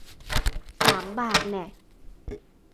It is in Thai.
สามบาทแน่ะ